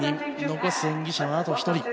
残す演技者はあと１人。